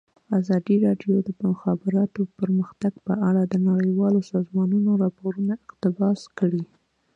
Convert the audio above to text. ازادي راډیو د د مخابراتو پرمختګ په اړه د نړیوالو سازمانونو راپورونه اقتباس کړي.